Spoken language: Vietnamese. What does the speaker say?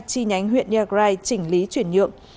chi nhánh huyện iagrai chỉnh lý chuyển nhượng